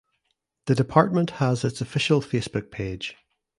The department has its official Facebook page.